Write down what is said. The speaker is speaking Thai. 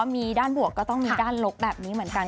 มีด้านบวกก็ต้องมีด้านลบแบบนี้เหมือนกัน